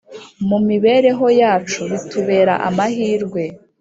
mumibereho yacu bitubera amahirwe